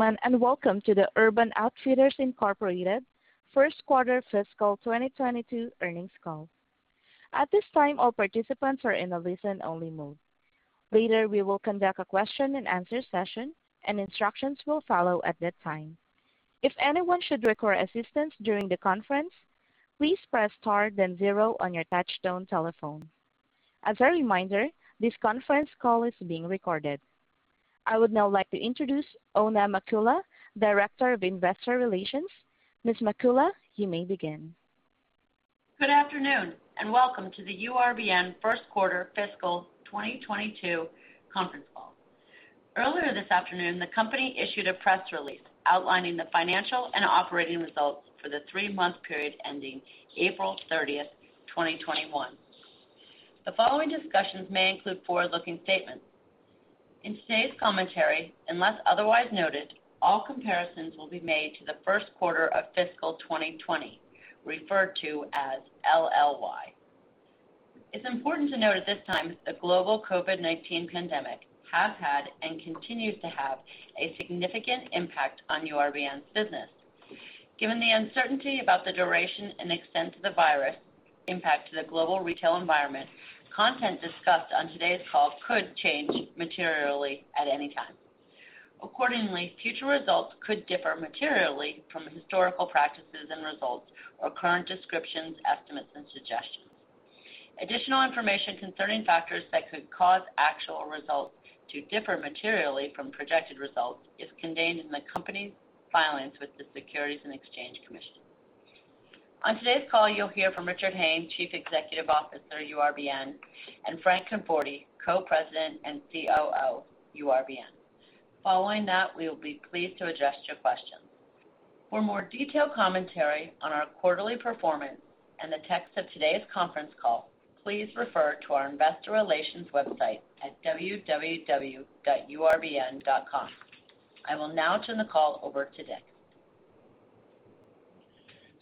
Welcome to the Urban Outfitters, Inc. first quarter fiscal 2022 earnings call. At this time, all participants are in a listen-only mode. Later, we will conduct a question and answer session, and instructions will follow at that time. If anyone should require assistance during the conference, please press star then zero on your touchtone telephone. As a reminder, this conference call is being recorded. I would now like to introduce Oona McCullough, Director of Investor Relations. Ms. McCullough, you may begin. Good afternoon, welcome to the URBN first quarter fiscal 2022 conference call. Earlier this afternoon, the company issued a press release outlining the financial and operating results for the three-month period ending April 30th, 2021. The following discussions may include forward-looking statements. In today's commentary, unless otherwise noted, all comparisons will be made to the first quarter of fiscal 2020, referred to as LLY. It's important to note at this time that the global COVID-19 pandemic has had and continues to have a significant impact on URBN's business. Given the uncertainty about the duration and extent of the virus impact to the global retail environment, content discussed on today's call could change materially at any time. Accordingly, future results could differ materially from historical practices and results or current descriptions, estimates, and suggestions. Additional information concerning factors that could cause actual results to differ materially from projected results is contained in the company's filings with the Securities and Exchange Commission. On today's call, you'll hear from Richard Hayne, Chief Executive Officer, URBN, and Frank Conforti, Co-president and COO, URBN. Following that, we will be pleased to address your questions. For more detailed commentary on our quarterly performance and the text of today's conference call, please refer to our investor relations website at www.urbn.com. I will now turn the call over to Richard.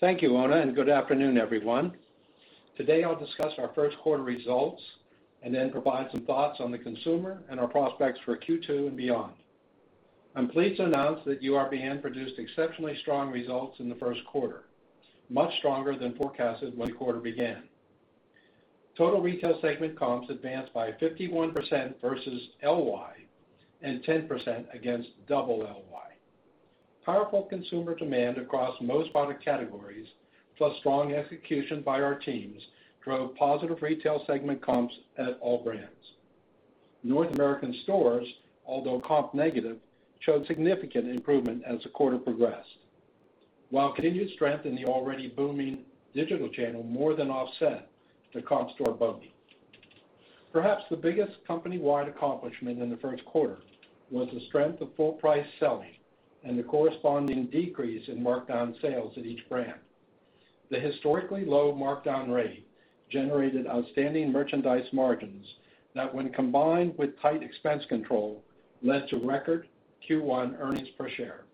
Thank you, Oona McCullough, and good afternoon, everyone. Today, I'll discuss our first quarter results and then provide some thoughts on the consumer and our prospects for Q2 and beyond. I'm pleased to announce that URBN produced exceptionally strong results in the first quarter, much stronger than forecasted when the quarter began. Total retail segment comps advanced by 51% versus LY and 10% against double LY. Powerful consumer demand across most product categories, plus strong execution by our teams, drove positive retail segment comps at all brands. North American stores, although comp negative, showed significant improvement as the quarter progressed, while continued strength in the already booming digital channel more than offset the comp store bogey. Perhaps the biggest company-wide accomplishment in the first quarter was the strength of full price selling and the corresponding decrease in markdown sales at each brand. The historically low markdown rate generated outstanding merchandise margins that when combined with tight expense control, led to record Q1 earnings per share.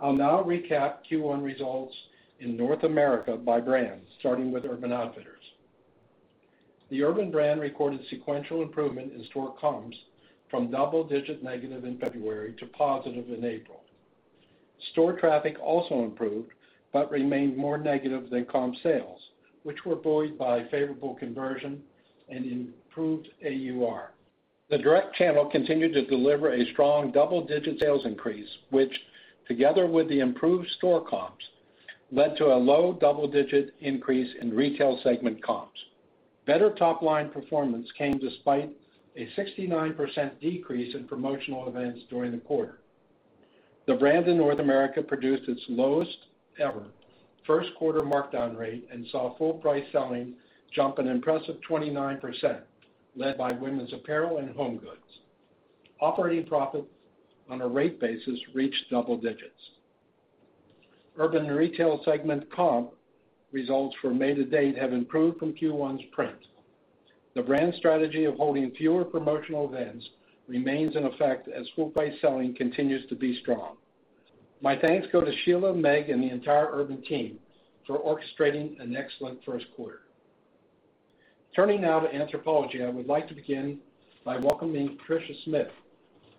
I'll now recap Q1 results in North America by brand, starting with Urban Outfitters. The Urban brand recorded sequential improvement in store comps from double-digit negative in February to positive in April. Store traffic also improved but remained more negative than comp sales, which were buoyed by favorable conversion and improved AUR. The direct channel continued to deliver a strong double-digit sales increase, which together with the improved store comps, led to a low double-digit increase in retail segment comps. Better top-line performance came despite a 69% decrease in promotional events during the quarter. The brand in North America produced its lowest ever first quarter markdown rate and saw full price selling jump an impressive 29%, led by women's apparel and home goods. Operating profit on a rate basis reached double digits. Urban retail segment comp results for May to date have improved from Q1's trend. The brand strategy of holding fewer promotional events remains in effect as full price selling continues to be strong. My thanks go to Sheila, Meg, and the entire Urban team for orchestrating an excellent first quarter. Turning now to Anthropologie, I would like to begin by welcoming Tricia Smith,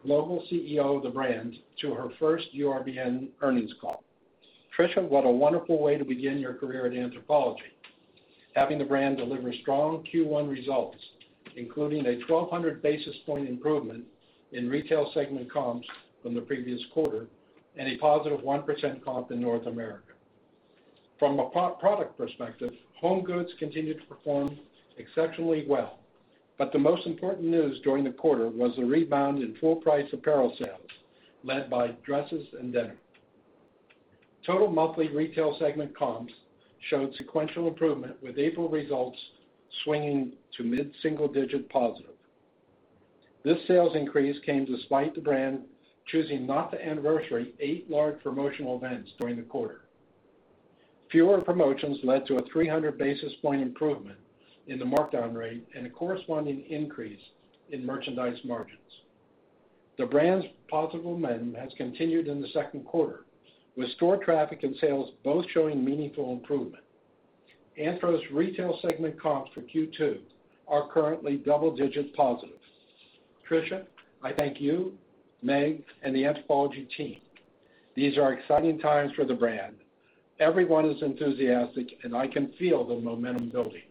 Global CEO of the brand, to her first URBN earnings call. Tricia, what a wonderful way to begin your career at Anthropologie, having the brand deliver strong Q1 results, including a 1,200 basis point improvement in retail segment comps from the previous quarter and a positive 1% comp in North America. From a product perspective, home goods continued to perform exceptionally well, but the most important news during the quarter was the rebound in full price apparel sales, led by dresses and denim. Total monthly retail segment comps showed sequential improvement, with April results swinging to mid-single digit positive. This sales increase came despite the brand choosing not to anniversary eight large promotional events during the quarter. Fewer promotions led to a 300 basis point improvement in the markdown rate and a corresponding increase in merchandise margins. The brand's positive momentum has continued in the second quarter, with store traffic and sales both showing meaningful improvement. Anthro's retail segment comps for Q2 are currently double digits positive. Tricia, I thank you, Meg, and the Anthropologie team. These are exciting times for the brand. Everyone is enthusiastic, and I can feel the momentum building.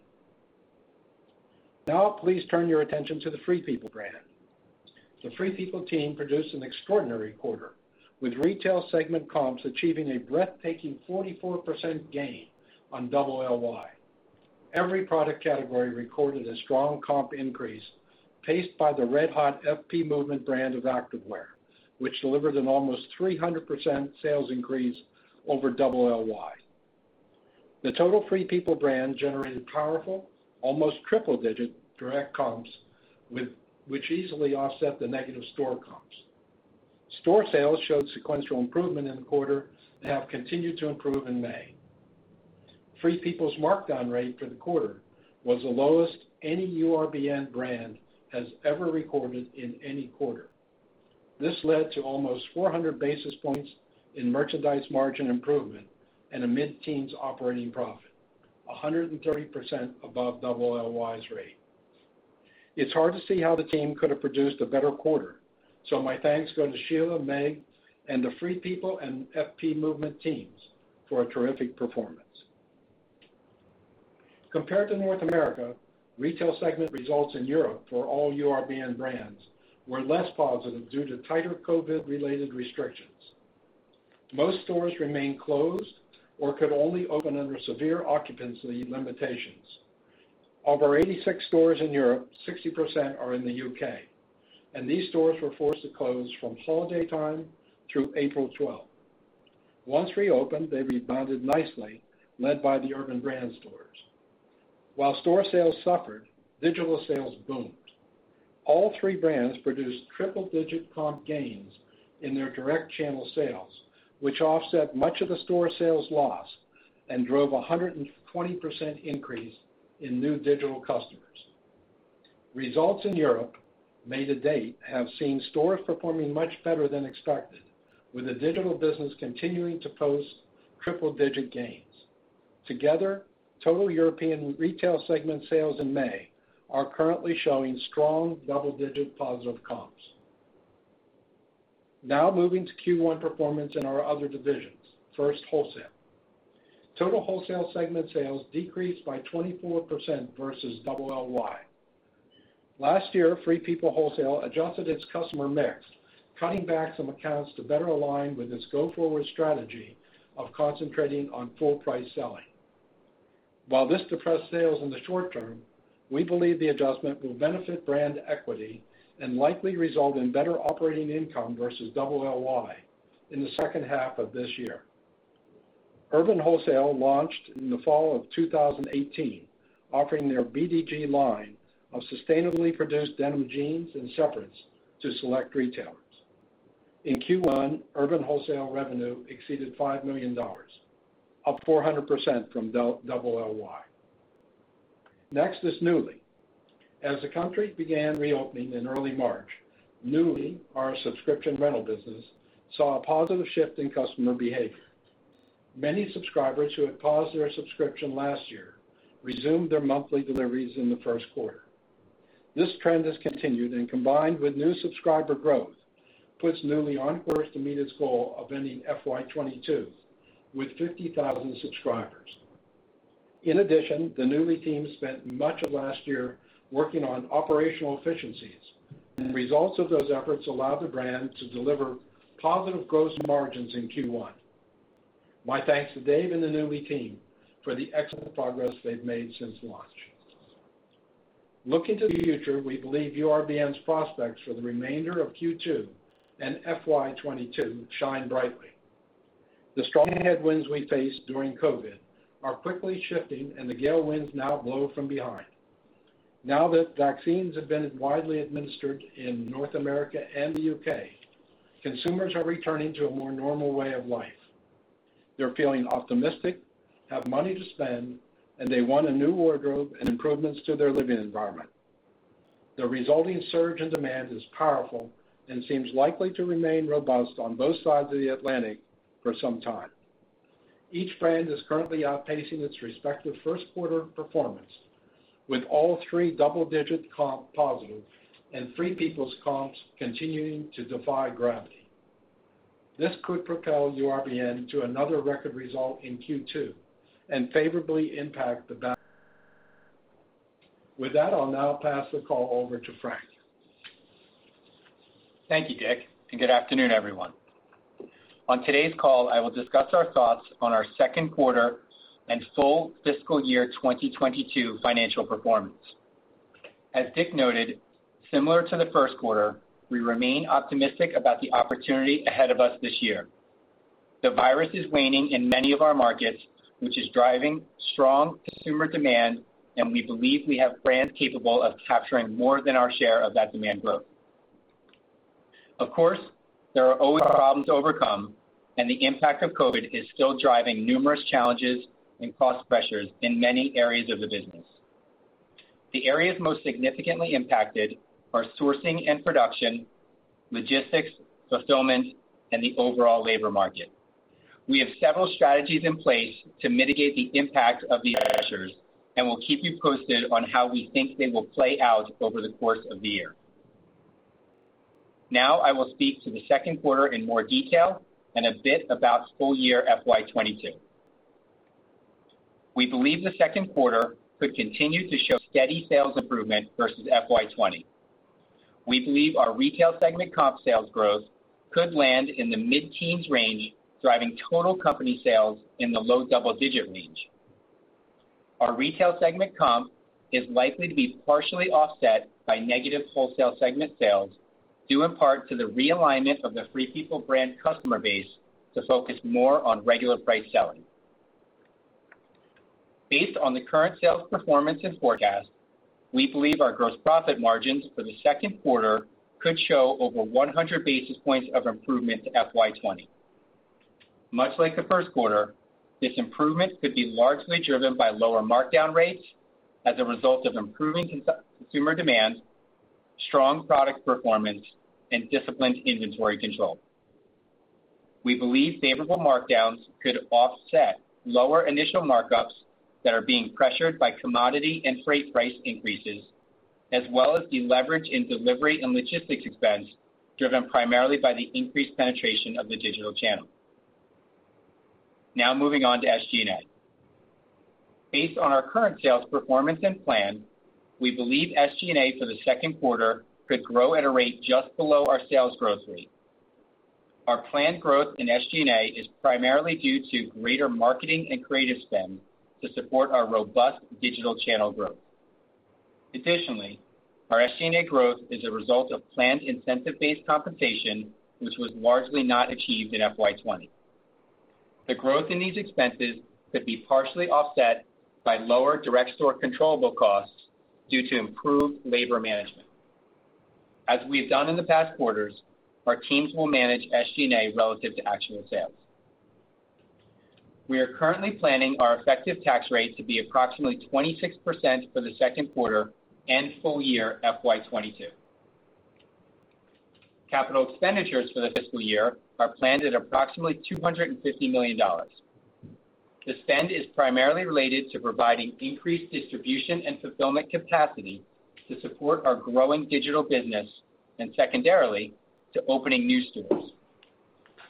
Now please turn your attention to the Free People brand. The Free People team produced an extraordinary quarter, with retail segment comps achieving a breathtaking 44% gain on double LLY. Every product category recorded a strong comp increase, paced by the red hot FP Movement brand of active wear, which delivered an almost 300% sales increase over double LLY. The total Free People brand generated powerful, almost triple digit direct comps, which easily offset the negative store comps. Store sales showed sequential improvement in the quarter and have continued to improve in May. Free People's markdown rate for the quarter was the lowest any URBN brand has ever recorded in any quarter. This led to almost 400 basis points in merchandise margin improvement in a mid-teens operating profit, 130% above double LLY's rate. It's hard to see how the team could have produced a better quarter, so my thanks go to Sheila, Meg, and the Free People and FP Movement teams for a terrific performance. Compared to North America, retail segment results in Europe for all URBN brands were less positive due to tighter COVID-related restrictions. Most stores remain closed or could only open under severe occupancy limitations. Of our 86 stores in Europe, 60% are in the U.K., and these stores were forced to close from holiday time through April 12. Once reopened, they rebounded nicely, led by the Urban brand stores. While store sales suffered, digital sales boomed. All three brands produced triple digit comp gains in their direct channel sales, which offset much of the store sales loss and drove 120% increase in new digital customers. Results in Europe, May to date, have seen stores performing much better than expected, with the digital business continuing to post triple-digit gains. Together, total European retail segment sales in May are currently showing strong double-digit positive comps. Moving to Q1 performance in our other divisions. First, wholesale. Total wholesale segment sales decreased by 24% versus double LLY. Last year, Free People Wholesale adjusted its customer mix, cutting back some accounts to better align with its go-forward strategy of concentrating on full-price selling. This depressed sales in the short-term, we believe the adjustment will benefit brand equity and likely result in better operating income versus double LLY in the second half of this year. Urban Wholesale launched in the fall of 2018, offering their BDG line of sustainably produced denim jeans and separates to select retailers. In Q1, Urban Wholesale revenue exceeded $5 million, up 400% from double LLY. Next is Nuuly. As the country began reopening in early March, Nuuly, our subscription rental business, saw a positive shift in customer behavior. Many subscribers who had paused their subscription last year resumed their monthly deliveries in the first quarter. This trend has continued and, combined with new subscriber growth, puts Nuuly on course to meet its goal of ending FY22 with 50,000 subscribers. In addition, the Nuuly team spent much of last year working on operational efficiencies, and the results of those efforts allowed the brand to deliver positive gross margins in Q1. My thanks to Dave and the Nuuly team for the excellent progress they've made since launch. Looking to the future, we believe URBN's prospects for the remainder of Q2 and FY22 shine brightly. The strong headwinds we faced during COVID are quickly shifting. The gale winds now blow from behind. Now that vaccines have been widely administered in North America and the U.K., consumers are returning to a more normal way of life. They're feeling optimistic, have money to spend, and they want a new wardrobe and improvements to their living environment. The resulting surge in demand is powerful and seems likely to remain robust on both sides of the Atlantic for some time. Each brand is currently outpacing its respective first quarter performance, with all three double-digit comp positive and Free People's comps continuing to defy gravity. This could propel URBN to another record result in Q2 and favorably impact the back. With that, I'll now pass the call over to Frank. Thank you, Richard, and good afternoon, everyone. On today's call, I will discuss our thoughts on our second quarter and full fiscal year 2022 financial performance. As Richard noted, similar to the first quarter, we remain optimistic about the opportunity ahead of us this year. The virus is waning in many of our markets, which is driving strong consumer demand, and we believe we have brands capable of capturing more than our share of that demand growth. Of course, there are always problems to overcome, and the impact of COVID is still driving numerous challenges and cost pressures in many areas of the business. The areas most significantly impacted are sourcing and production, logistics, fulfillment, and the overall labor market. We have several strategies in place to mitigate the impact of these pressures and will keep you posted on how we think they will play out over the course of the year. I will speak to the second quarter in more detail and a bit about full year FY22. We believe the second quarter could continue to show steady sales improvement versus FY20. We believe our retail segment comp sales growth could land in the mid-teens range, driving total company sales in the low double-digit range. Our retail segment comp is likely to be partially offset by negative wholesale segment sales, due in part to the realignment of the Free People brand customer base to focus more on regular price selling. Based on the current sales performance and forecast, we believe our gross profit margins for the second quarter could show over 100 basis points of improvement to FY20. Much like the first quarter, this improvement could be largely driven by lower markdown rates as a result of improving consumer demand, strong product performance, and disciplined inventory control. We believe favorable markdowns could offset lower initial markups that are being pressured by commodity and freight price increases, as well as deleverage in delivery and logistics expense, driven primarily by the increased penetration of the digital channel. Now moving on to SG&A. Based on our current sales performance and plan, we believe SG&A for the second quarter could grow at a rate just below our sales growth rate. Our planned growth in SG&A is primarily due to greater marketing and creative spend to support our robust digital channel growth. Additionally, our SG&A growth is a result of planned incentive-based compensation, which was largely not achieved in FY20. The growth in these expenses could be partially offset by lower direct store controllable costs due to improved labor management. As we have done in the past quarters, our teams will manage SG&A relative to actual sales. We are currently planning our effective tax rate to be approximately 26% for the second quarter and full year FY 2022. Capital expenditures for the fiscal year are planned at approximately $250 million. The spend is primarily related to providing increased distribution and fulfillment capacity to support our growing digital business, and secondarily, to opening new stores.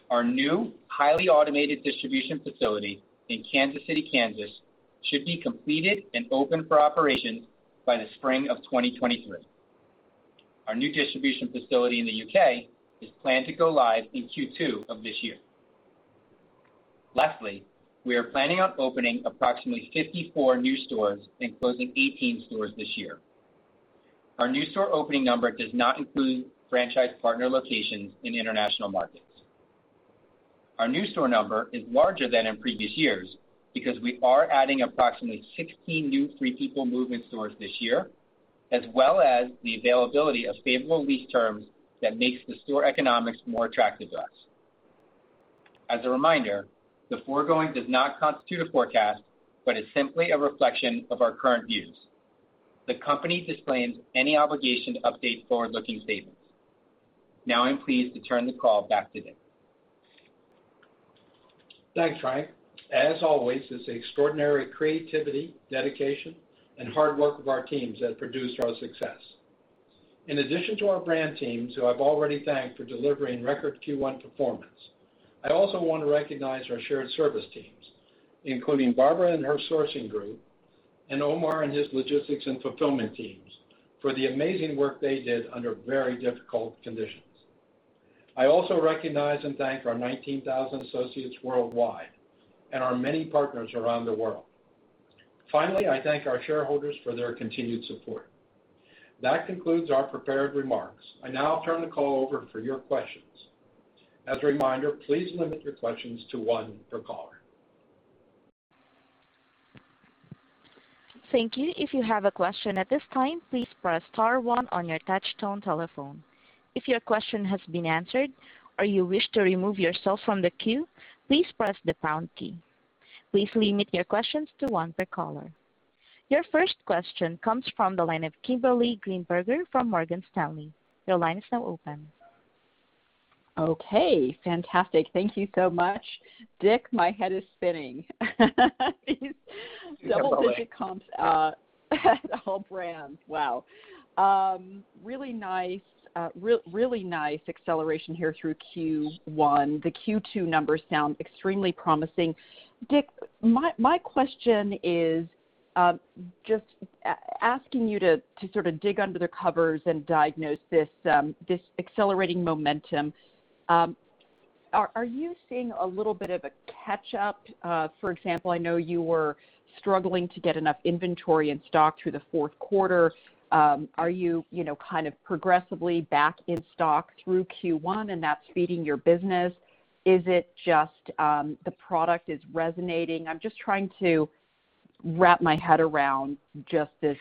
Our new highly automated distribution facility in Kansas City, Kansas, should be completed and open for operations by the spring of 2023. Our new distribution facility in the U.K. is planned to go live in Q2 of this year. Lastly, we are planning on opening approximately 54 new stores and closing 18 stores this year. Our new store opening number does not include franchise partner locations in international markets. Our new store number is larger than in previous years because we are adding approximately 16 new Free People Movement stores this year, as well as the availability of favorable lease terms that makes the store economics more attractive to us. As a reminder, the foregoing does not constitute a forecast but is simply a reflection of our current views. The company disclaims any obligation to update forward-looking statements. Now I'm pleased to turn the call back to Richard. Thanks, Frank. As always, it's the extraordinary creativity, dedication, and hard work of our teams that produce our success. In addition to our brand teams, who I've already thanked for delivering record Q1 performance, I also want to recognize our shared service teams, including Barbara and her sourcing group, and Omar and his logistics and fulfillment teams, for the amazing work they did under very difficult conditions. I also recognize and thank our 19,000 associates worldwide and our many partners around the world. Finally, I thank our shareholders for their continued support. That concludes our prepared remarks. I now turn the call over for your questions. As a reminder, please limit your questions to one per caller. Thank you. Your first question comes from the line of Kimberly Greenberger from Morgan Stanley. Okay, fantastic. Thank you so much. Richard, my head is spinning. Sure. All the comps at all brands. Wow. Really nice acceleration here through Q1. The Q2 numbers sound extremely promising. Richard, my question is, just asking you to sort of dig under the covers and diagnose this accelerating momentum. Are you seeing a little bit of a catch-up? For example, I know you were struggling to get enough inventory in stock through the fourth quarter. Are you progressively back in stock through Q1 and that's feeding your business? Is it just the product is resonating? I'm just trying to wrap my head around just this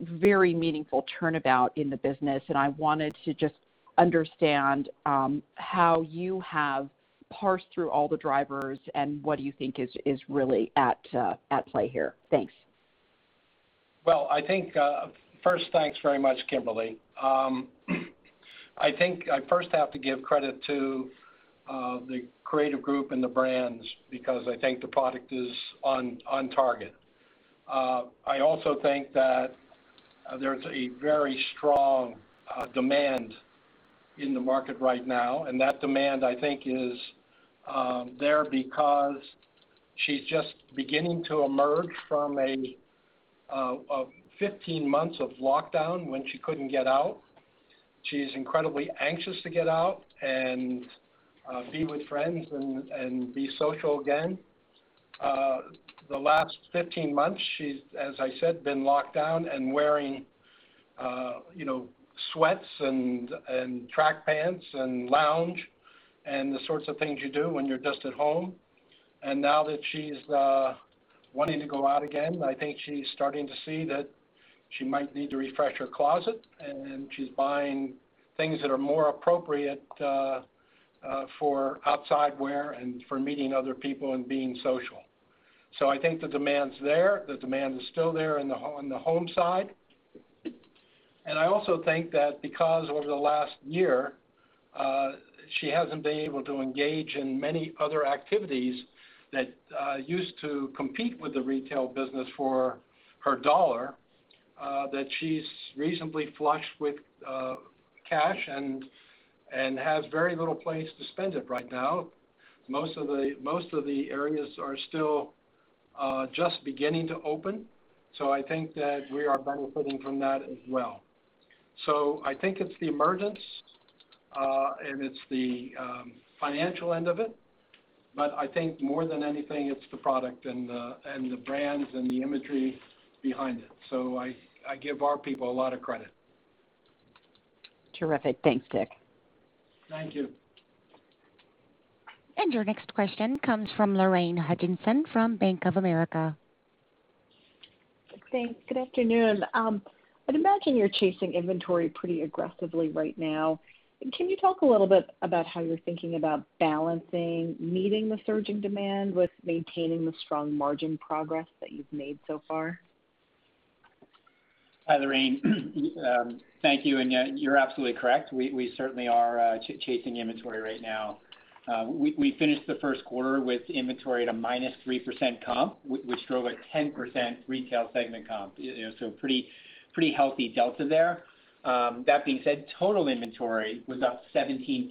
very meaningful turnabout in the business, and I wanted to just understand how you have parsed through all the drivers and what you think is really at play here. Thanks. Well, I think first, thanks very much, Kimberly. I think I first have to give credit to the creative group and the brands because I think the product is on target. I also think that there's a very strong demand in the market right now. That demand, I think, is there because she's just beginning to emerge from a 15 months of lockdown when she couldn't get out. She's incredibly anxious to get out and be with friends and be social again. The last 15 months, she's, as I said, been locked down and wearing sweats and track pants and lounge and the sorts of things you do when you're just at home. Now that she's wanting to go out again, I think she's starting to see that she might need to refresh her closet, and she's buying things that are more appropriate for outside wear and for meeting other people and being social. I think the demand's there. The demand is still there on the home side. I also think that because over the last year, she hasn't been able to engage in many other activities that used to compete with the retail business for her dollar, that she's reasonably flushed with cash and has very little place to spend it right now. Most of the areas are still just beginning to open. I think that we are benefiting from that as well. I think it's the emergence, and it's the financial end of it. I think more than anything, it's the product and the brands and the imagery behind it. I give our people a lot of credit. Terrific. Thanks, Richard. Thank you. Your next question comes from Lorraine Hutchinson from Bank of America. Thanks. Good afternoon. I'd imagine you're chasing inventory pretty aggressively right now. Can you talk a little bit about how you're thinking about balancing meeting the surging demand with maintaining the strong margin progress that you've made so far? Hi, Lorraine. Thank you. You're absolutely correct. We certainly are chasing inventory right now. We finished the first quarter with inventory at a minus 3% comp, which drove a 10% retail segment comp. Pretty healthy delta there. That being said, total inventory was up 17%.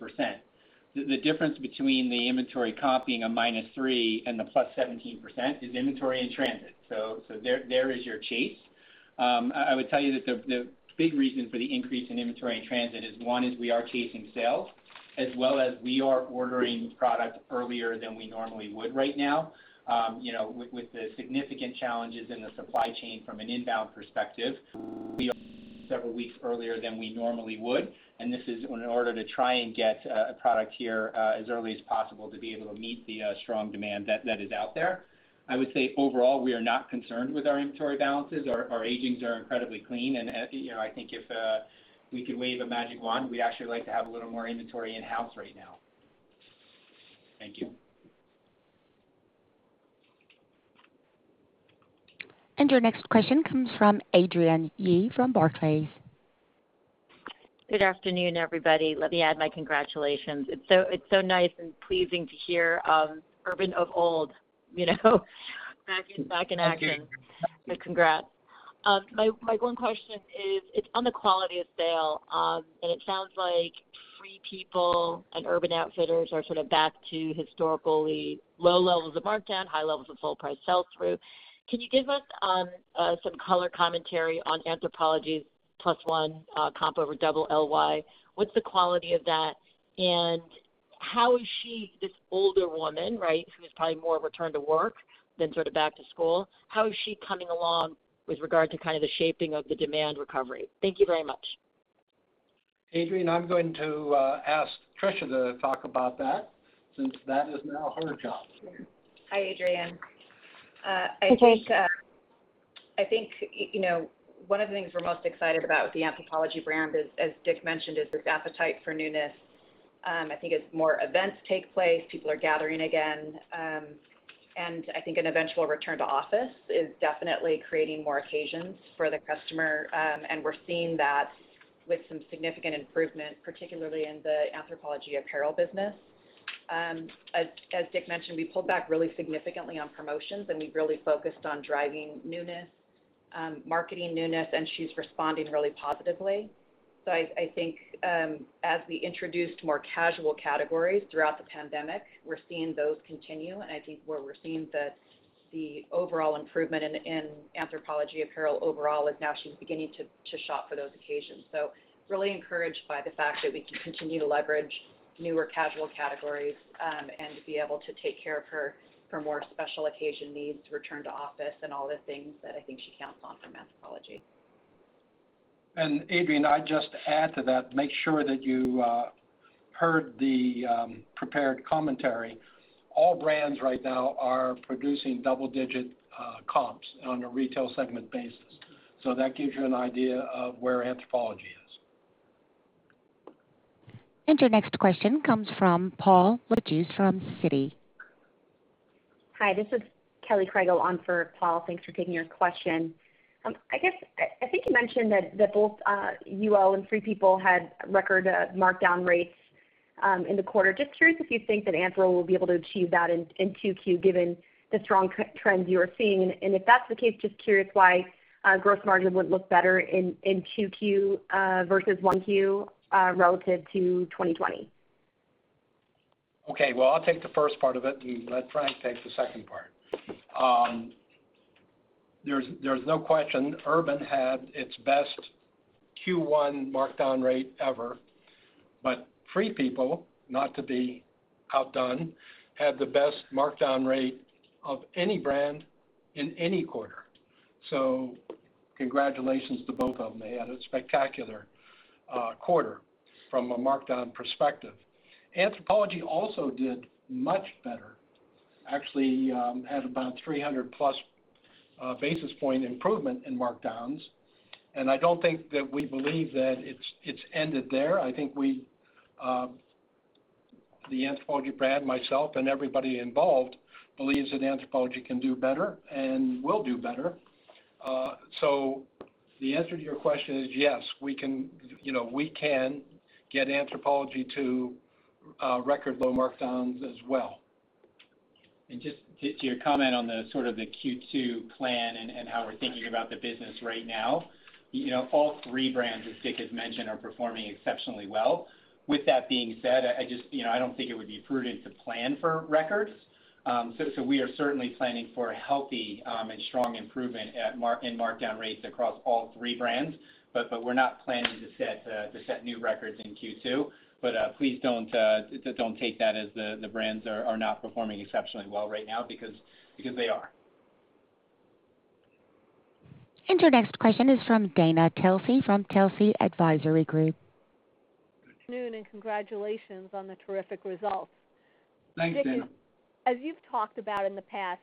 The difference between the inventory comping a minus 3% and a +17% is inventory in transit. There is your chase. I would tell you that the big reasons for the increase in inventory in transit is one, is we are chasing sales, as well as we are ordering product earlier than we normally would right now. With the significant challenges in the supply chain from an inbound perspective, we are ordering several weeks earlier than we normally would, and this is in order to try and get product here as early as possible to be able to meet the strong demand that is out there. I would say overall, we are not concerned with our inventory balances. Our aging is incredibly clean, and I think if we could wave a magic wand, we'd actually like to have a little more inventory in-house right now. Thank you. Your next question comes from Adrienne Yee from Barclays. Good afternoon, everybody. Let me add my congratulations. It's so nice and pleasing to hear Urban of old back in action. Thank you. Congrats. My one question is on the quality of sale. It sounds like Free People and Urban Outfitters are sort of back to historically low levels of markdown, high levels of full price sales through. Could you give us some color commentary on Anthropologie plus one comp over double LY? What's the quality of that, and how is she, this older woman, right, who's probably more of a return to work than back to school, how is she coming along with regard to the shaping of the demand recovery? Thank you very much. Adrienne, I'm going to ask Tricia to talk about that since that is now her job. Hi, Adrienne. Hi, Tricia. I think one of the things we're most excited about with the Anthropologie brand, as Richard mentioned, is this appetite for newness. I think as more events take place, people are gathering again, and I think an eventual return to office is definitely creating more occasions for the customer, and we're seeing that with some significant improvement, particularly in the Anthropologie apparel business. As Richard mentioned, we pulled back really significantly on promotions, and we've really focused on driving newness, marketing newness, and she's responding really positively. I think as we introduced more casual categories throughout the pandemic, we're seeing those continue, and I think where we're seeing the overall improvement in Anthropologie apparel overall is now she's beginning to shop for those occasions. Really encouraged by the fact that we can continue to leverage newer casual categories, and be able to take care of her more special occasion needs, return to office and all the things that I think she counts on from Anthropologie. Adrienne, I'd just add to that, make sure that you heard the prepared commentary. All brands right now are producing double-digit comps on a retail segment basis. That gives you an idea of where Anthropologie is. Your next question comes from Paul Lejuez from Citi. Hi, this is Kelly Crago on for Paul. Thanks for taking our question. I think you mentioned that both UO and Free People had record markdown rates in the quarter. Just curious if you think that Anthro will be able to achieve that in 2Q given the strong trends you are seeing. If that's the case, just curious why gross margin would look better in 2Q versus 1Q relative to 2020. Okay. Well, I'll take the first part of it, and let Frank take the second part. There's no question Urban had its best Q1 markdown rate ever, but Free People, not to be outdone, had the best markdown rate of any brand in any quarter. Congratulations to both of them. They had a spectacular quarter from a markdown perspective. Anthropologie also did much better, actually had about 300+ basis point improvement in markdowns, and I don't think that we believe that it's ended there. I think the Anthropologie brand, myself, and everybody involved believes that Anthropologie can do better and will do better. The answer to your question is yes, we can get Anthropologie to record low markdowns as well. Just to your comment on the Q2 plan and how we're thinking about the business right now. All three brands, as Richard has mentioned, are performing exceptionally well. With that being said, I don't think it would be prudent to plan for records. We are certainly planning for a healthy and strong improvement in markdown rates across all three brands. We're not planning to set new records in Q2. Please don't take that as the brands are not performing exceptionally well right now, because they are. Your next question is from Dana Telsey from Telsey Advisory Group. Good afternoon. Congratulations on the terrific results. Thanks, Dana. Richard, as you've talked about in the past,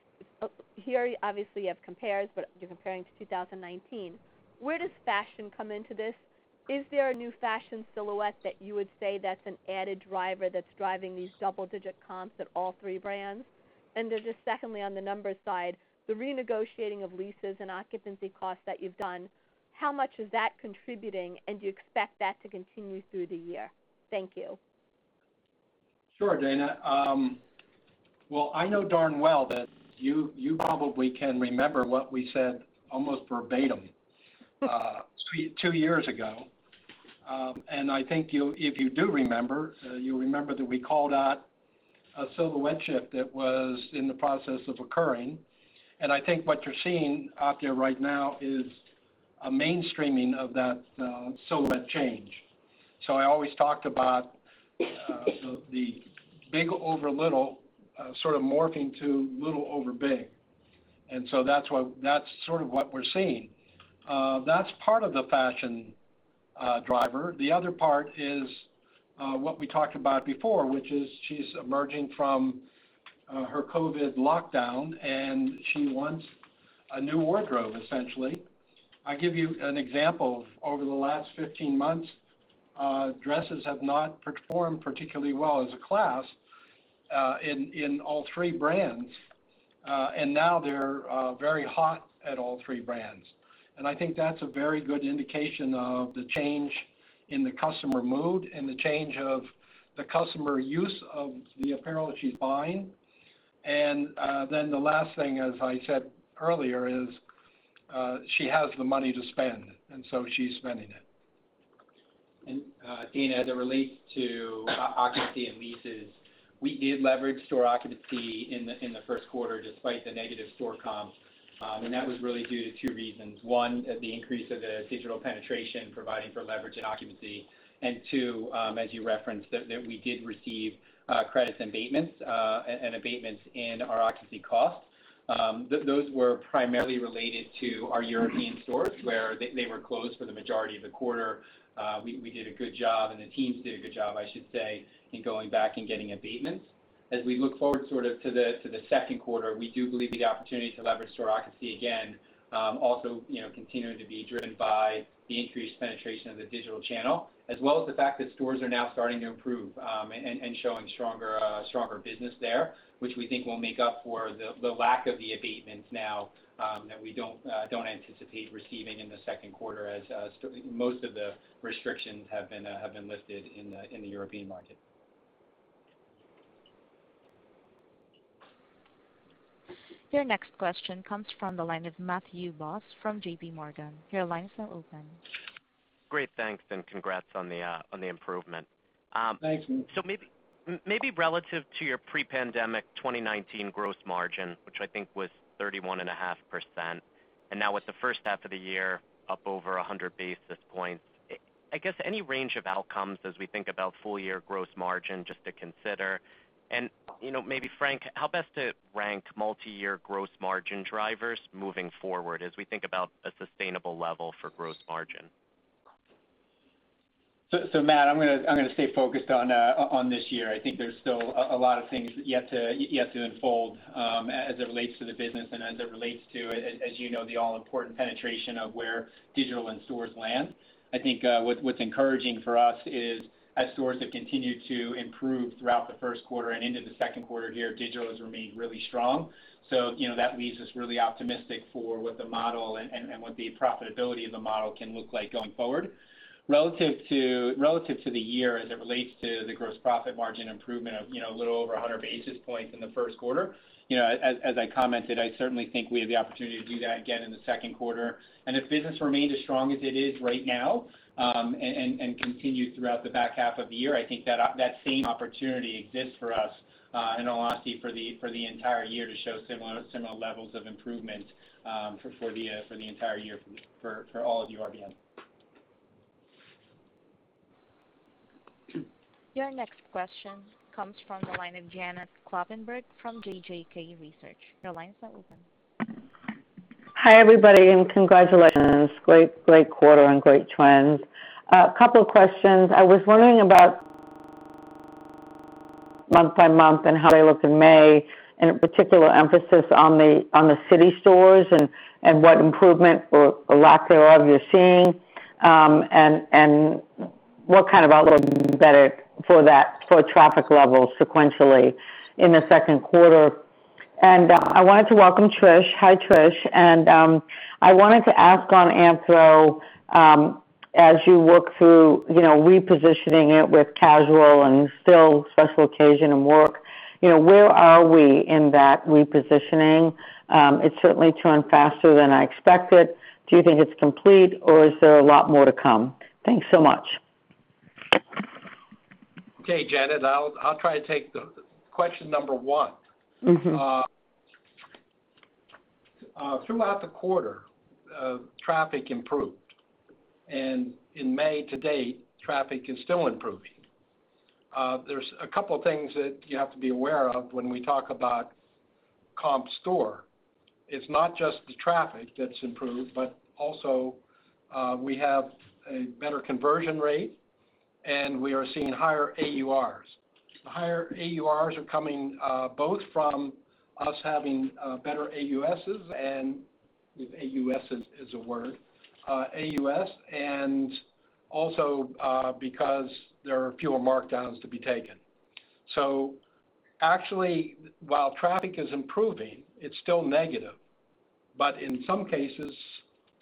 here obviously you have compares, but you're comparing to 2019. Where does fashion come into this? Is there a new fashion silhouette that you would say that's an added driver that's driving these double-digit comps at all three brands? Then just secondly, on the numbers side, the renegotiating of leases and occupancy costs that you've done, how much is that contributing, and do you expect that to continue through the year? Thank you. Sure, Dana. Well, I know darn well that you probably can remember what we said almost verbatim two years ago. I think if you do remember, you remember that we called out a silhouette shift that was in the process of occurring. I think what you're seeing out there right now is a mainstreaming of that silhouette change. I always talked about the big over little sort of morphing to little over big. That's sort of what we're seeing. That's part of the fashion driver. The other part is what we talked about before, which is she's emerging from her COVID lockdown, and she wants a new wardrobe, essentially. I give you an example. Over the last 15 months, dresses have not performed particularly well as a class in all three brands. Now they're very hot at all three brands. I think that's a very good indication of the change in the customer mood and the change of the customer use of the apparel she's buying. The last thing, as I said earlier, is she has the money to spend, and so she's spending it. Dana, as it relates to occupancy and leases, we did leverage store occupancy in the first quarter despite the negative store comps. That was really due to two reasons. One, the increase of the digital penetration providing for leverage and occupancy, and two, as you referenced, that we did receive credits and abatements in our occupancy costs. Those were primarily related to our European stores, where they were closed for the majority of the quarter. We did a good job, and the teams did a good job, I should say, in going back and getting abatements. As we look forward to the second quarter, we do believe the opportunity to leverage store occupancy again also continuing to be driven by the increased penetration of the digital channel, as well as the fact that stores are now starting to improve and showing stronger business there, which we think will make up for the lack of the abatements now that we don't anticipate receiving in the second quarter as most of the restrictions have been lifted in the European market. Your next question comes from the line of Matthew Boss from JPMorgan. Your line is now open. Great. Thanks and congrats on the improvement. Thank you. Maybe relative to your pre-pandemic 2019 gross margin, which I think was 31.5%, and now with the first half of the year up over 100 basis points, I guess any range of outcomes as we think about full-year gross margin just to consider. Maybe Frank, how best to rank multi-year gross margin drivers moving forward as we think about a sustainable level for gross margin? Matthew, I'm going to stay focused on this year. I think there's still a lot of things yet to unfold as it relates to the business and as it relates to, as you know, the all-important penetration of where digital and stores land. I think what's encouraging for us is as stores have continued to improve throughout the first quarter and into the second quarter here, digital has remained really strong. That leaves us really optimistic for what the model and what the profitability of the model can look like going forward. Relative to the year as it relates to the gross profit margin improvement of little over 100 basis points in the first quarter. As I commented, I certainly think we have the opportunity to do that again in the second quarter. If business remains as strong as it is right now, and continues throughout the back half of the year, I think that same opportunity exists for us, in all honesty, for the entire year to show similar levels of improvement for the entire year for all of URBN. Your next question comes from the line of Janet Kloppenburg from JJK Research. Your line's now open. Hi, everybody, and congratulations. Great quarter and great trends. A couple of questions. I was wondering about month by month and how they look in May, and in particular, emphasis on the city stores and what improvement or lack thereof you're seeing. What kind of outlook is better for traffic levels sequentially in the second quarter. I wanted to welcome Tricia. Hi, Tricia. I wanted to ask on Anthro, as you work through repositioning it with casual and still special occasion and work, where are we in that repositioning? It certainly turned faster than I expected. Do you think it's complete, or is there a lot more to come? Thanks so much. Okay, Janet, I'll try to take question number one. Throughout the quarter, traffic improved. In May to date, traffic is still improving. There's a couple of things that you have to be aware of when we talk about comp store. It's not just the traffic that's improved, but also we have a better conversion rate, and we are seeing higher AURs. The higher AURs are coming both from us having better AUSs, if AUS is a word. AUS, also because there are fewer markdowns to be taken. Actually, while traffic is improving, it's still negative. In some cases,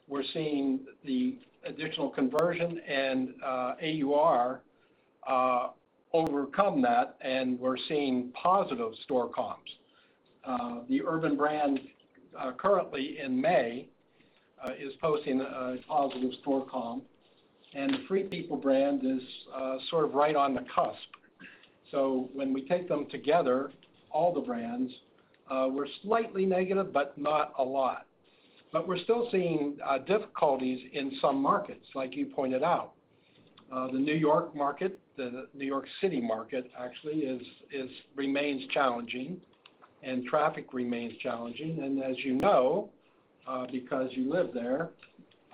we're seeing the additional conversion and AUR overcome that, and we're seeing positive store comps. The Urban brand currently in May is posting a positive store comp, and the Free People brand is sort of right on the cusp. When we take them together, all the brands, we're slightly negative, but not a lot. We're still seeing difficulties in some markets, like you pointed out. The New York market, the New York City market actually remains challenging and traffic remains challenging. As you know, because you live there,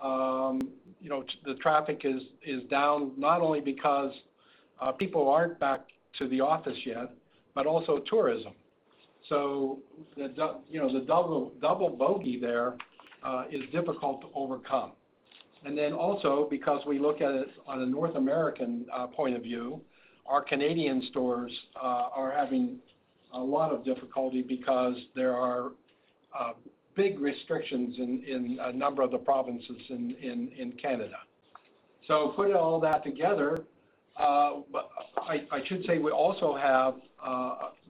the traffic is down not only because people aren't back to the office yet, but also tourism. The double bogey there is difficult to overcome. Also because we look at it on a North American point of view, our Canadian stores are having a lot of difficulty because there are big restrictions in a number of the provinces in Canada. Putting all that together, I should say we also have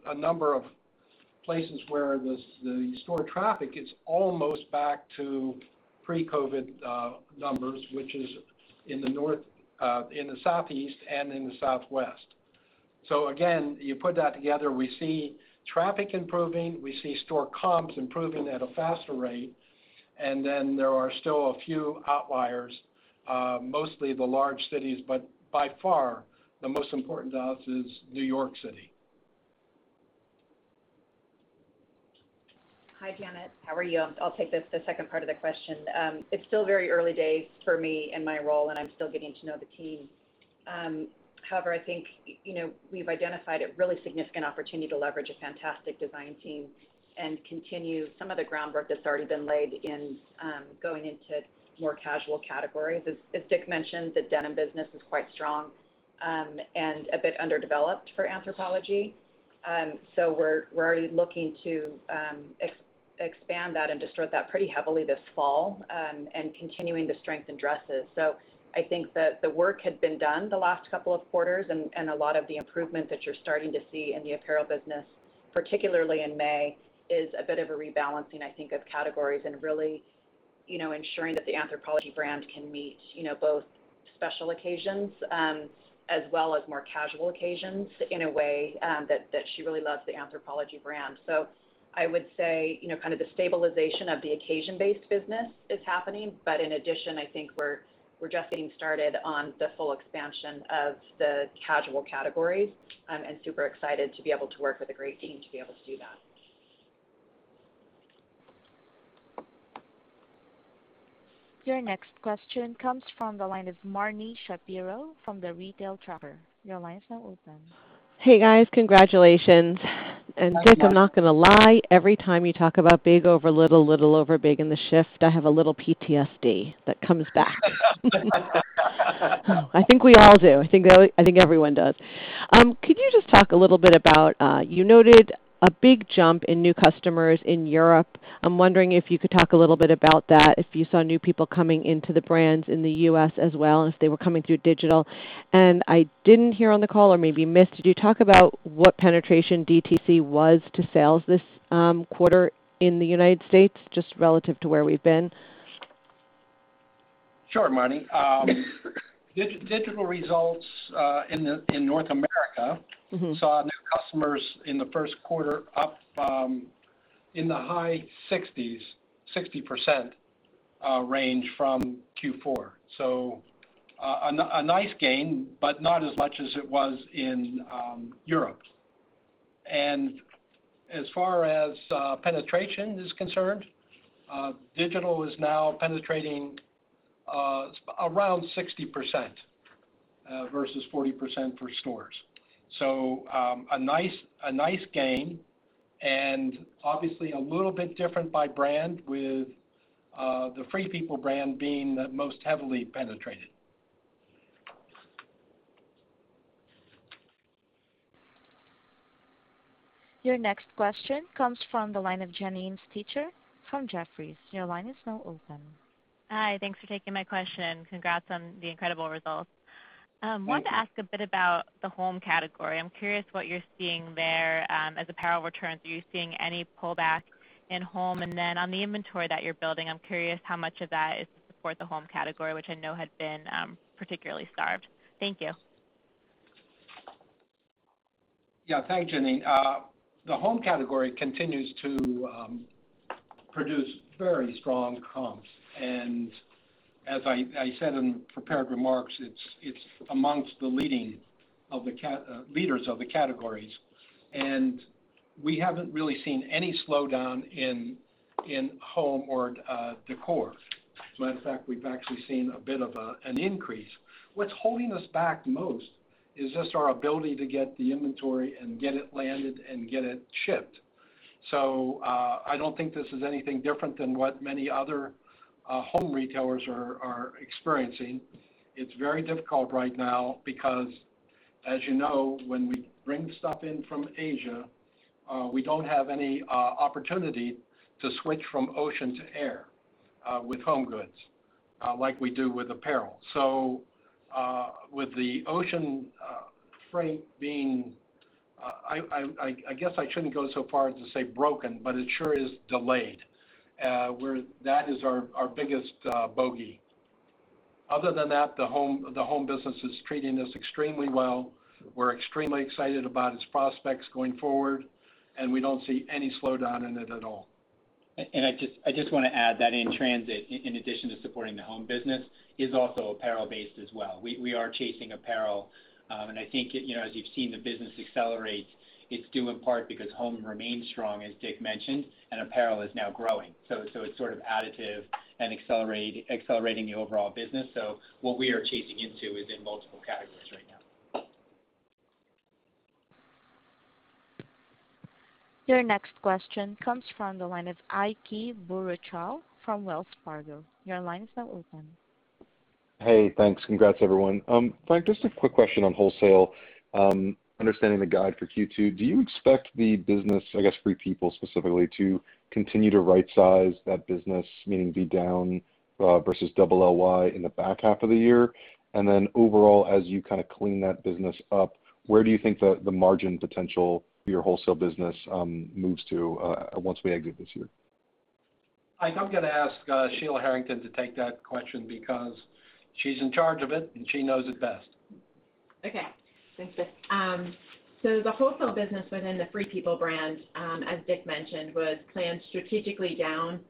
a number of places where the store traffic is almost back to pre-COVID-19 numbers, which is in the southeast and in the southwest. Again, you put that together, we see traffic improving, we see store comps improving at a faster rate, and then there are still a few outliers, mostly the large cities, but by far the most important to us is New York City. Hi, Janet. How are you? I'll take the second part of the question. It's still very early days for me in my role, and I'm still getting to know the team. However, I think we've identified a really significant opportunity to leverage a fantastic design team and continue some of the groundwork that's already been laid in going into more casual categories. As Richard mentioned, the denim business is quite strong, and a bit underdeveloped for Anthropologie. We're already looking to expand that and distort that pretty heavily this fall, and continuing to strengthen dresses. I think that the work had been done the last couple of quarters, and a lot of the improvement that you're starting to see in the apparel business, particularly in May, is a bit of a rebalancing, I think, of categories and really ensuring that the Anthropologie brand can meet both special occasions, as well as more casual occasions in a way that she really loves the Anthropologie brand. I would say, the stabilization of the occasion-based business is happening. In addition, I think we're just getting started on the full expansion of the casual categories and super excited to be able to work with a great team to be able to do that. Your next question comes from the line of Marni Shapiro from The Retail Tracker. Your line is now open. Hey, guys. Congratulations. Richard, I'm not going to lie, every time you talk about big over little over big in the shift, I have a little PTSD that comes back. I think we all do. I think everyone does. Could you just talk a little bit about, you noted a big jump in new customers in Europe? I'm wondering if you could talk a little bit about that, if you saw new people coming into the brands in the U.S. as well, and if they were coming through digital. I didn't hear on the call, or maybe missed, did you talk about what penetration DTC was to sales this quarter in the United States, just relative to where we've been? Sure, Marni. Digital results in North America- Saw new customers in the first quarter up in the high 60%s, 60% range from Q4. A nice gain, but not as much as it was in Europe. As far as penetration is concerned, digital is now penetrating around 60%, versus 40% for stores. A nice gain and obviously a little bit different by brand with the Free People brand being the most heavily penetrated. Your next question comes from the line of Janine Stichter from Jefferies. Your line is now open. Hi, thanks for taking my question. Congrats on the incredible results. Thanks. Wanted to ask a bit about the home category. I'm curious what you're seeing there as apparel returns. Are you seeing any pullback in home? Then on the inventory that you're building, I'm curious how much of that is to support the home category, which I know had been particularly starved. Thank you. Yeah. Thanks, Janine Stichter. The home category continues to produce very strong comps. As I said in prepared remarks, it's amongst the leaders of the categories. We haven't really seen any slowdown in home or decor. As a matter of fact, we've actually seen a bit of an increase. What's holding us back most is just our ability to get the inventory and get it landed and get it shipped. I don't think this is anything different than what many other home retailers are experiencing. It's very difficult right now because, as you know, when we bring stuff in from Asia, we don't have any opportunity to switch from ocean to air with home goods, like we do with apparel. With the ocean freight being, I guess I shouldn't go so far as to say broken, but it sure is delayed. That is our biggest bogey. Other than that, the home business is treating us extremely well. We're extremely excited about its prospects going forward, and we don't see any slowdown in it at all. I just want to add that in-transit, in addition to supporting the home business, is also apparel-based as well. We are chasing apparel. I think, as you've seen the business accelerate, it's due in part because home remains strong, as Richard Hayne mentioned, and apparel is now growing. It's sort of additive and accelerating the overall business. What we are chasing into is in multiple categories right now. Your next question comes from the line of Ike Boruchow from Wells Fargo. Your line is now open. Hey, thanks. Congrats, everyone. Frank, just a quick question on wholesale. Understanding the guide for Q2, do you expect the business, I guess Free People specifically, to continue to right size that business, meaning be down, versus double LY in the back half of the year? Overall, as you clean that business up, where do you think the margin potential for your wholesale business moves to once we exit this year? Ike Boruchow, I'm going to ask Sheila Harrington to take that question because she's in charge of it and she knows it best. Thanks, Richard. The wholesale business within the Free People brand, as Richard mentioned, was planned strategically down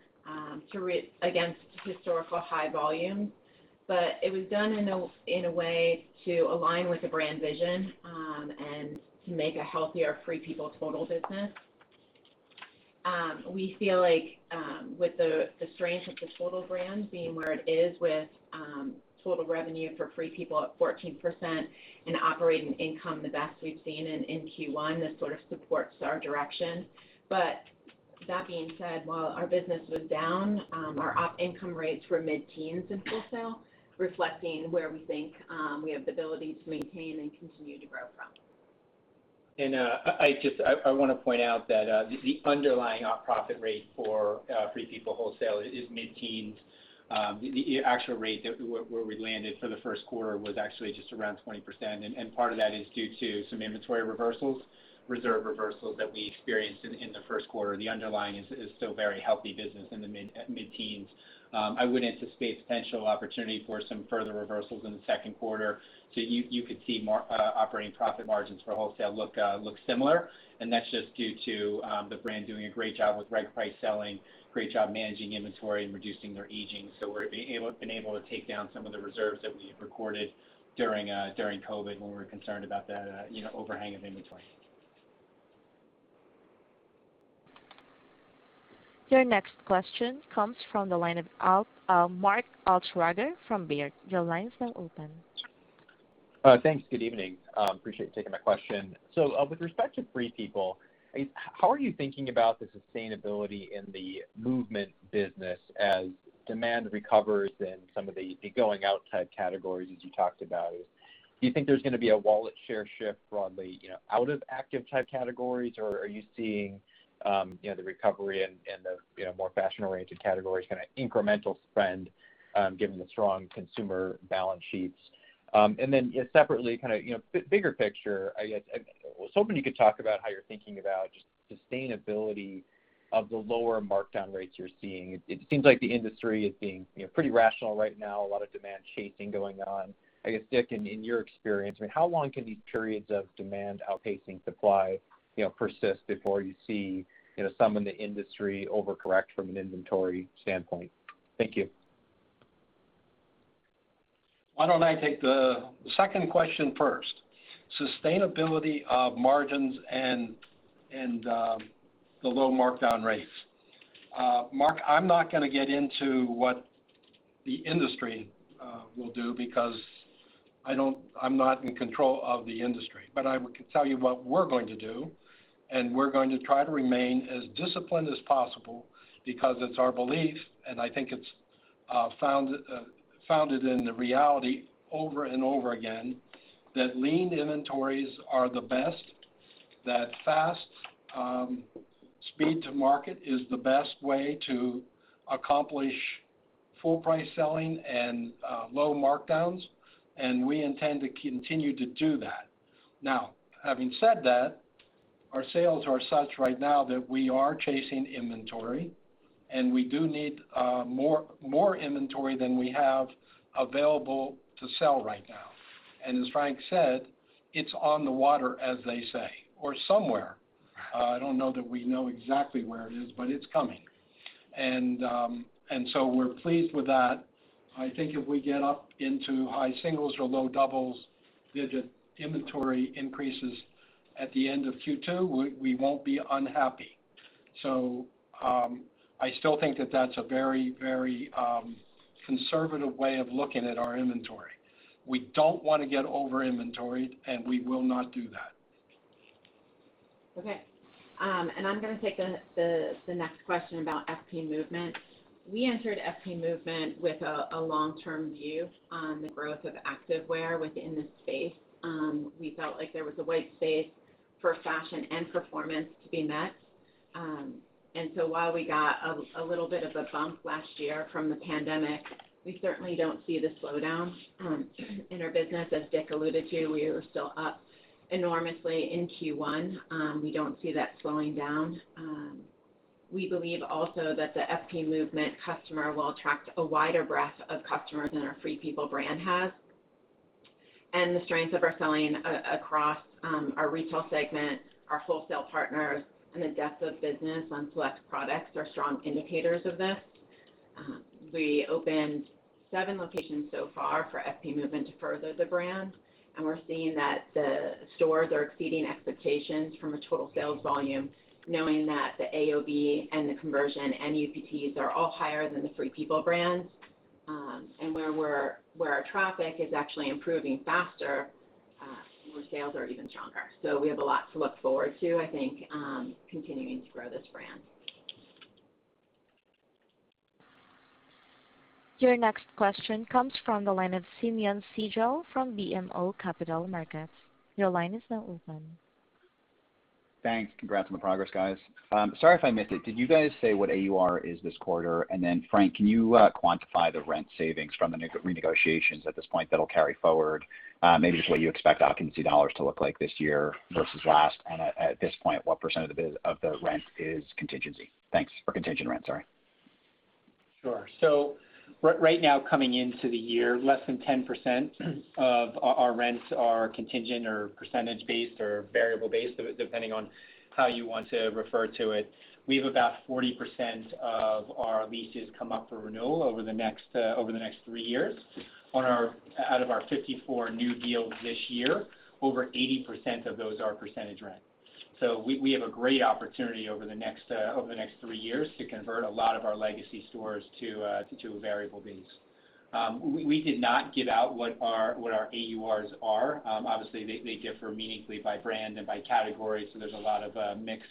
against historical high volume. It was done in a way to align with the brand vision, and to make a healthier Free People total business. We feel like with the strength of the total brand being where it is with total revenue for Free People at 14% and operating income the best we’ve seen in Q1, this sort of supports our direction. That being said, while our business was down, our op income rates were mid-teens in wholesale, reflecting where we think we have the ability to maintain and continue to grow from. I want to point out that the underlying op profit rate for Free People wholesale is mid-teens. The actual rate where we landed for the first quarter was actually just around 20%, and part of that is due to some inventory reversals, reserve reversals that we experienced in the first quarter. The underlying is still very healthy business in the mid-teens. I would anticipate potential opportunity for some further reversals in the second quarter. You could see operating profit margins for wholesale look similar, and that's just due to the brand doing a great job with right price selling, great job managing inventory, and reducing their aging. We've been able to take down some of the reserves that we had recorded during COVID-19 when we were concerned about the overhang of inventory. Your next question comes from the line of Mark Altschwager from Baird. Your line is now open. Thanks. Good evening. Appreciate you taking my question. With respect to Free People, how are you thinking about the sustainability in the Movement business as demand recovers in some of the going out type categories as you talked about? Do you think there's going to be a wallet share shift broadly, out of active type categories? Are you seeing the recovery and the more fashion-oriented categories kind of incremental spend, given the strong consumer balance sheets? Separately, bigger picture, I was hoping you could talk about how you're thinking about just sustainability of the lower markdown rates you're seeing. It seems like the industry is being pretty rational right now. A lot of demand chasing going on. I guess, Richard, in your experience, how long can these periods of demand outpacing supply persist before you see some in the industry overcorrect from an inventory standpoint? Thank you. Why don't I take the second question first. Sustainability of margins and the low markdown rates. Mark, I'm not going to get into what the industry will do because I'm not in control of the industry. I can tell you what we're going to do, and we're going to try to remain as disciplined as possible because it's our belief, and I think it's founded in the reality over and over again, that lean inventories are the best, that fast speed to market is the best way to accomplish full price selling and low markdowns, and we intend to continue to do that. Having said that, our sales are such right now that we are chasing inventory, and we do need more inventory than we have available to sell right now. As Frank said, it's on the water, as they say, or somewhere. I don't know that we know exactly where it is, but it's coming. We're pleased with that. I think if we get up into high singles or low doubles digit inventory increases at the end of Q2, we won't be unhappy. I still think that that's a very conservative way of looking at our inventory. We don't want to get over inventoried, and we will not do that. Okay. I'm going to take the next question about FP Movement. We entered FP Movement with a long-term view on the growth of activewear within the space. We felt like there was a white space for fashion and performance to be met. While we got a little bit of a bump last year from the pandemic, we certainly don't see the slowdown in our business. As Richard Hayne alluded to, we were still up enormously in Q1. We don't see that slowing down. We believe also that the FP Movement customer will attract a wider breadth of customers than our Free People brand has. The strengths of our selling across our retail segment, our wholesale partners, and the depth of business on select products are strong indicators of this. We opened seven locations so far for FP Movement to further the brand, we're seeing that the stores are exceeding expectations from a total sales volume, knowing that the AOV and the conversion and UPTs are all higher than the Free People brands. Where our traffic is actually improving faster, where sales are even stronger. We have a lot to look forward to, I think, continuing to grow this brand. Your next question comes from the line of Simeon Siegel from BMO Capital Markets. Your line is now open. Thanks. Congrats on the progress, guys. Sorry if I missed it. Did you guys say what AUR is this quarter? Frank, can you quantify the rent savings from the renegotiations at this point that'll carry forward, maybe just what you expect occupancy dollars to look like this year versus last? At this point, what percent of the rent is contingency? Thanks. Or contingent rent, sorry. Right now coming into the year, less than 10% of our rents are contingent or percentage based or variable based, depending on how you want to refer to it. We have about 40% of our leases come up for renewal over the next three years. Out of our 54 new deals this year, over 80% of those are percentage rent. We have a great opportunity over the next three years to convert a lot of our legacy stores to a variable base. We did not give out what our AURs are. Obviously, they differ meaningfully by brand and by category, so there's a lot of mix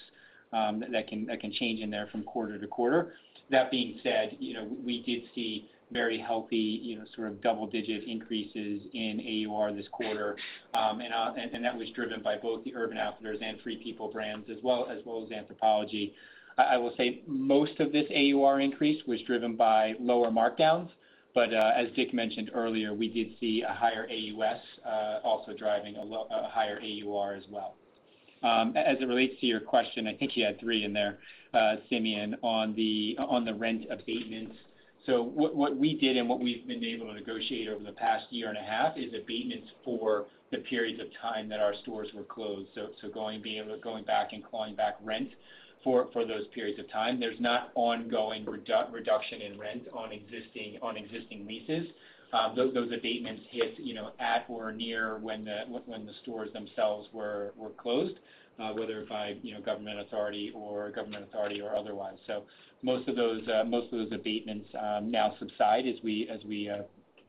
that can change in there from quarter to quarter. That being said, we did see very healthy double-digit increases in AUR this quarter, and that was driven by both the Urban Outfitters and Free People brands, as well as Anthropologie. I will say most of this AUR increase was driven by lower markdowns. As Richard mentioned earlier, we did see a higher AUS also driving a higher AUR as well. As it relates to your question, I think you had three in there, Simeon, on the rent abatements. What we did and what we've been able to negotiate over the past year and a half is abatements for the periods of time that our stores were closed. Going back and clawing back rent for those periods of time. There's not ongoing reduction in rent on existing leases. Those abatements hit at or near when the stores themselves were closed. Whether by government authority or otherwise. Most of those abatements now subside as we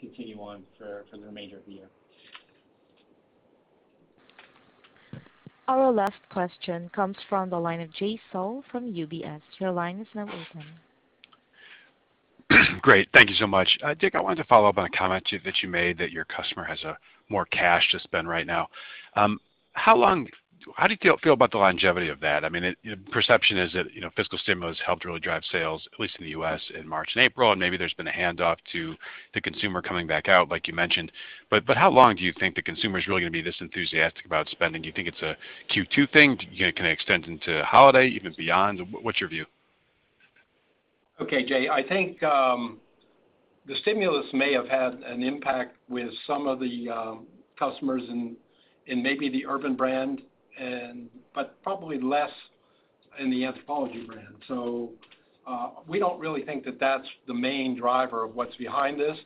continue on for the remainder of the year. Our last question comes from the line of Jay Sole from UBS. Your line is now open. Great. Thank you so much. Richard, I wanted to follow up on a comment that you made that your customer has more cash to spend right now. How do you feel about the longevity of that? Perception is that fiscal stimulus helped really drive sales, at least in the U.S., in March and April, and maybe there's been a handoff to the consumer coming back out, like you mentioned. How long do you think the consumer's really going to be this enthusiastic about spending? Do you think it's a Q2 thing? Can it extend into holiday, even beyond? What's your view? Jay, I think the stimulus may have had an impact with some of the customers in maybe the Urban brand, but probably less in the Anthropologie brand. We don't really think that that's the main driver of what's behind this.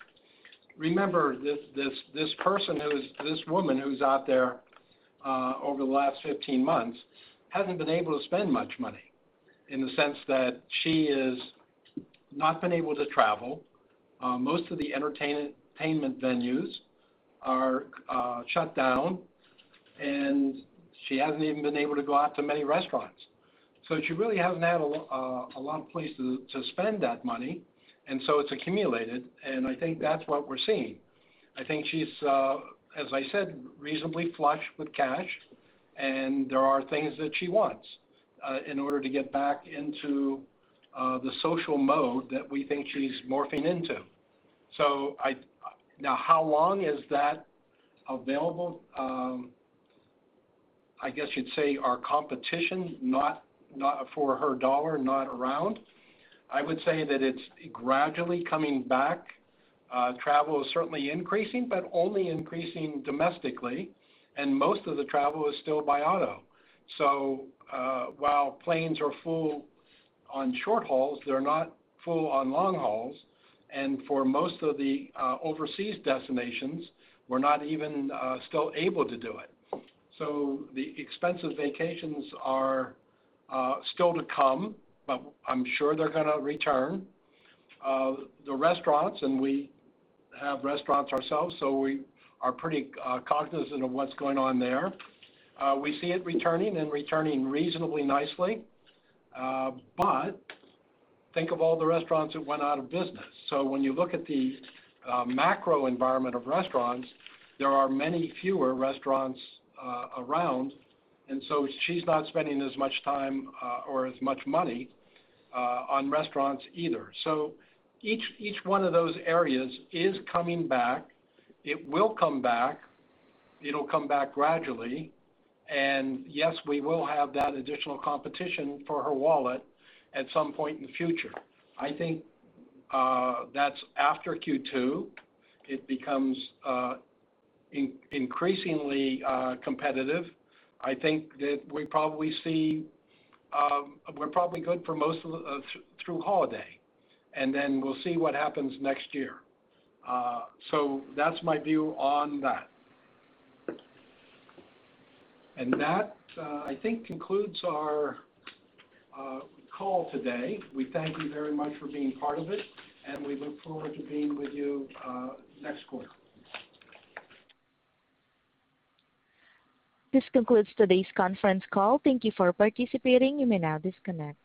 Remember, this person, this woman who's out there over the last 15 months, hasn't been able to spend much money in the sense that she has not been able to travel. Most of the entertainment venues are shut down, she hasn't even been able to go out to many restaurants. She really hasn't had a lot of places to spend that money, it's accumulated, I think that's what we're seeing. I think she's, as I said, reasonably flush with cash, there are things that she wants in order to get back into the social mode that we think she's morphing into. How long is that available? I guess you'd say our competition, for her dollar, not around. I would say that it's gradually coming back. Travel is certainly increasing, but only increasing domestically, and most of the travel is still by auto. While planes are full on short hauls, they're not full on long hauls, and for most of the overseas destinations, we're not even still able to do it. The expensive vacations are still to come, but I'm sure they're going to return. The restaurants, and we have restaurants ourselves, so we are pretty cognizant of what's going on there. We see it returning and returning reasonably nicely. Think of all the restaurants that went out of business. When you look at the macro environment of restaurants, there are many fewer restaurants around, and so she's not spending as much time or as much money on restaurants either. Each one of those areas is coming back. It will come back. It'll come back gradually. Yes, we will have that additional competition for her wallet at some point in the future. I think that's after Q2, it becomes increasingly competitive. I think that we're probably good through holiday, and then we'll see what happens next year. That's my view on that. That, I think, concludes our call today. We thank you very much for being part of it, and we look forward to being with you next quarter. This concludes today's conference call. Thank you for participating. You may now disconnect.